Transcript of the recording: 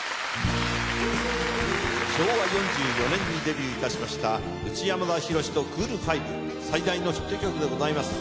昭和４４年にデビューいたしました内山田洋とクール・ファイブ最大のヒット曲でございます。